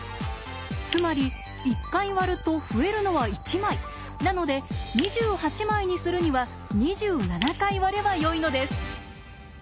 つまり１回割ると増えるのは１枚なので２８枚にするには２７回割ればよいのです。